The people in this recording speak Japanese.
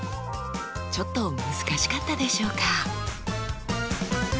ちょっと難しかったでしょうか。